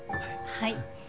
はい。